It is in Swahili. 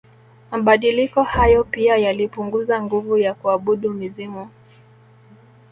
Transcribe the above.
Mabadiliko hayo pia yalipunguza nguvu ya kuabudu mizimu